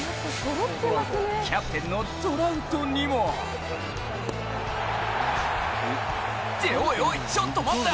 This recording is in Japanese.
キャプテンのトラウトにもって、おいおい、ちょっと待った。